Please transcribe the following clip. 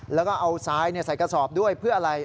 แล้วก็เอาทรายใส่กระสอบด้วยเพื่ออะไร